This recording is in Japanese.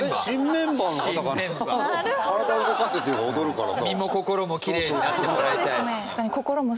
体動かすっていうか踊るからさ。